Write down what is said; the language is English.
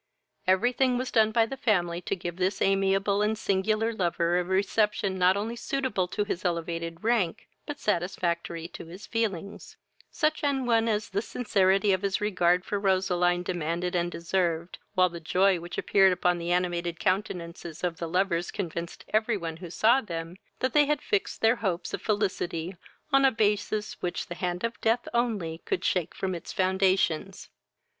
Every thing was done by the family to give this amiable and singular lover a reception not only suitable to his elevated rank, but satisfactory to his feelings, such an one as the sincerity of his regard for Roseline demanded and deserved, while the joy which appeared upon the animated countenances of the lovers convinced every one who saw them, that they had fixed their hopes of felicity on a basis which the hand of death only could shake from its foundations.